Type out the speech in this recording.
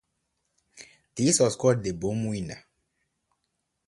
This was called the "Bombwinder".